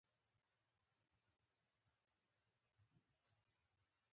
دریمه ډله د پیسو راټولولو وهابي کسان وو.